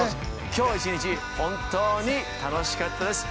きょう１日、本当に楽しかったです。